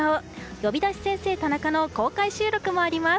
「呼び出し先生タナカ」の公開収録もあります。